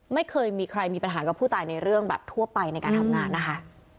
ไม่เคยมีใครมีปัญหากับผู้ตายในเรื่องแบบทั่วไปในการทำงานนะคะ